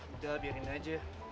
udah biarin aja